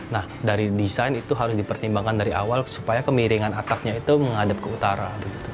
nah dari desain itu harus dipertimbangkan dari awal supaya kemiringan atapnya itu menghadap ke utara